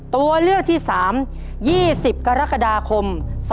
ตัวเลือกที่๓๒๐กรกฎาคม๒๕๖